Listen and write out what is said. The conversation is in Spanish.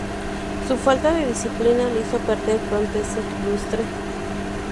Su falta de disciplina le hizo perder pronto este lustre.